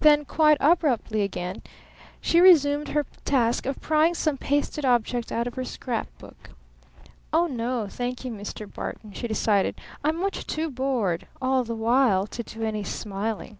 Then quite abruptly again she resumed her task of prying some pasted object out of her scrap book. "Oh, no, thank you, Mr. Barton," she decided. "I'm much too bored all the while to do any smiling."